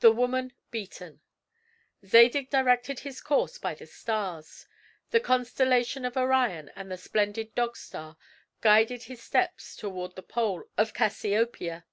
THE WOMAN BEATEN Zadig directed his course by the stars. The constellation of Orion and the splendid Dog Star guided his steps toward the pole of Cassiopeia.